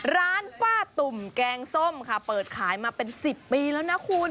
ร้านป้าตุ่มแกงส้มค่ะเปิดขายมาเป็น๑๐ปีแล้วนะคุณ